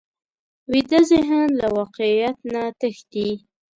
ویده ذهن له واقعیت نه تښتي